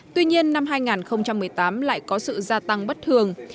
tuy nhiên năm hai nghìn một mươi tám lại có sự gia tăng bất thường